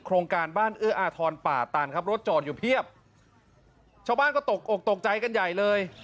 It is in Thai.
โครงการบ้านเอื้ออาทรป่าตันครับรถจอดอยู่เพียบชาวบ้านก็ตกอกตกใจกันใหญ่เลย